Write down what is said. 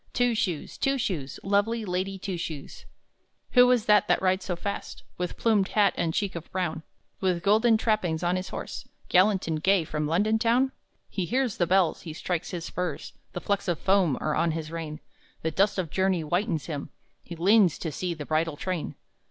Two Shoes, Two Shoes, Lovely Lady Two Shoes!"_ Who is this that rides so fast, With plumed hat and cheek of brown, With golden trappings on his horse, Gallant and gay from London town? He hears the bells, he strikes his spurs, The flecks of foam are on his rein, The dust of journey whitens him, He leans to see the bridal train!